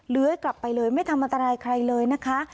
กลับไปเลยไม่ทำอันตรายใครเลยนะคะ